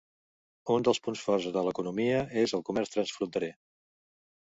Un dels punts forts de l'economia és el comerç transfronterer.